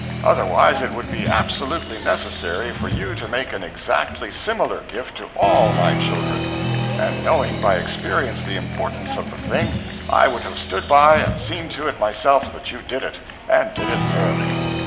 Otherwise it would be absolutely necessary for you to make an exactly similar gift to all my children—and knowing by experience the importance of the thing, I would have stood by and seen to it myself that you did it, and did it thoroughly.